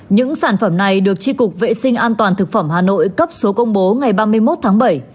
những sản phẩm này được tri cục vệ sinh an toàn thực phẩm hà nội cấp số công bố ngày ba mươi một tháng bảy